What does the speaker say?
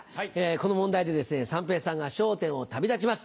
この問題でですね三平さんが『笑点』を旅立ちます。